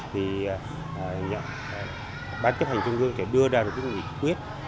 thì bán chất hành trung gương sẽ đưa ra một cái nghị quyết